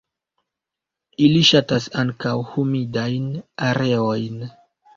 Ili ŝatas ankaŭ humidajn areojn.